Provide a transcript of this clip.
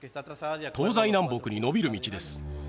東西南北に延びる道です